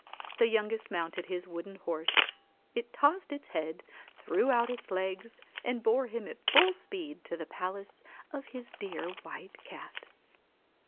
The youngest mounted his wooden horse, it tossed its head, threw out its legs, and bore him at full speed to the palace of his dear White Cat.